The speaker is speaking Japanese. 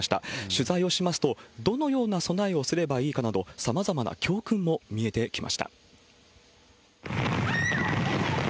取材をしますと、どのような備えをすればいいかなど、さまざまな教訓も見えてきました。